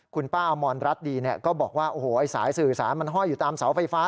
คุณป้าอมรรัฐดีก็บอกว่าโอ้โหไอ้สายสื่อสารมันห้อยอยู่ตามเสาไฟฟ้า